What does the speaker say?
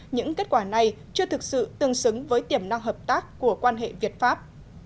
những kết quả này chưa thực sự tương xứng với tiềm năng hợp tác của quan hệ việt pháp